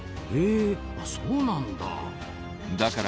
へえそうなんだ。